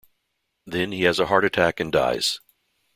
Then he has a heart attack and dies.